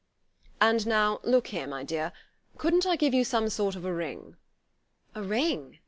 "And now, look here, my dear; couldn't I give you some sort of a ring?" "A ring?"